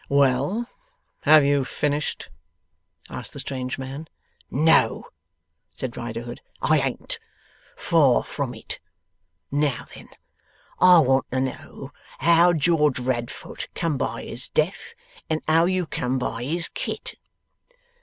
'Well? Have you finished?' asked the strange man. 'No,' said Riderhood, 'I ain't. Far from it. Now then! I want to know how George Radfoot come by his death, and how you come by his kit?